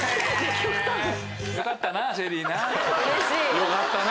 よかったな。